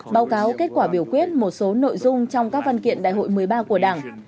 báo cáo kết quả biểu quyết một số nội dung trong các văn kiện đại hội một mươi ba của đảng